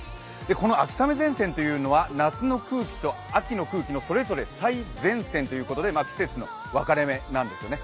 この秋雨前線というのは夏の空気と秋の空気のそれぞれ最前線ということで季節の分かれ目なんですよね。